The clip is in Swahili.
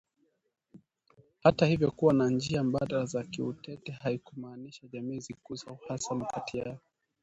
Hata hivyo kuwa na njia mbadala za kiuteti haikumaanisha jamii zikuza uhasama kati yao